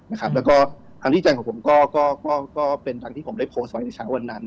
แล้วก็ทางที่ใจของผมก็เป็นทางที่ผมได้โพสต์ไว้ในเช้าวันนั้น